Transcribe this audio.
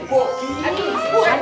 kamu makannya begini